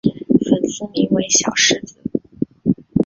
粉丝名为小狮子。